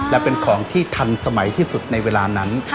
และเป็นของที่ทันสมัยที่สุดในเวลานั้น